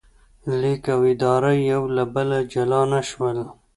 لیک او اداره یو له بله جلا نه شول.